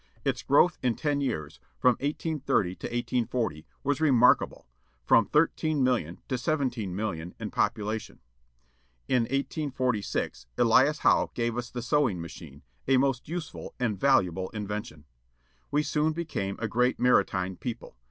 Its growth in ten years, from 1830 to 1840, was remarkable, from thirteen million to seventeen million in population. In 1846 EHas Howe gave us the sewing machine, a most useful and valuable invention. We soon became a great maritime people.